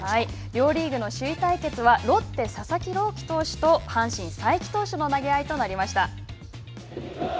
両リーグの首位対決はロッテ佐々木朗希投手と阪神才木投手の投げ合いとなりました。